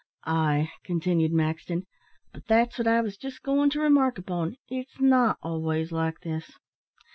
"Ay," continued Maxton, "but that's what I was just going to remark upon it's not always like this.